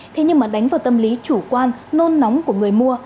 thế nhưng mà đánh vào tâm lý chủ quan nôn nóng của người mua